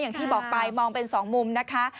อย่างที่บอกไปมองเป็นสองมุมนะคะ